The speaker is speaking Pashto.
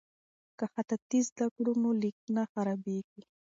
که خطاطي زده کړو نو لیک نه خرابیږي.